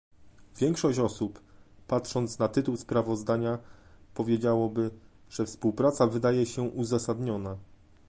Większość osób, patrząc na tytuł sprawozdania, powiedziałoby, że współpraca wydaje się uzasadniona